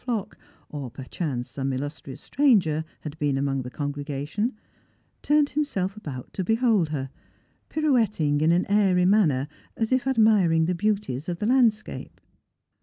flock, or perchance some illustrious stranger, had been among the congregation, turned himself about to behold her, pirouetting in an airy manner, as if admiring the beauties of the landscape.